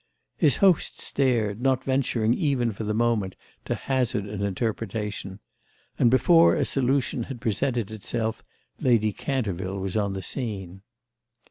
His host stared, not venturing even for the moment to hazard an interpretation; and before a solution had presented itself Lady Canterville was on the scene.